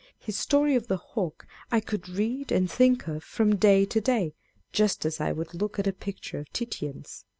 His story of the Hawk I could read and think of from day to day, just as I would look at a picture of Titian's